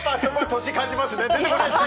年、感じますね。